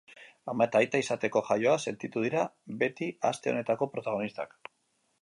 Ama eta aita izateko jaioak sentitu dira beti aste honetako protagonistak.